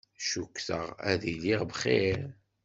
Cukkteɣ ad iliɣ bxir.